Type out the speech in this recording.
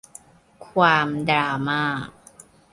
ความดราม่า